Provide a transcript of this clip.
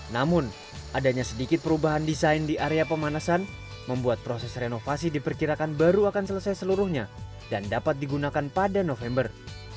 namun adanya sedikit perubahan desain di area pemanasan membuat proses renovasi diperkirakan baru akan selesai seluruhnya dan dapat digunakan pada november